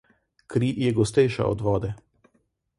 Kri je gostejša od vode.